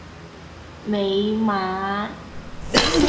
尾禡